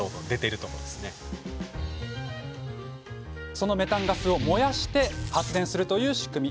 そのメタンガスを燃やして発電するという仕組み。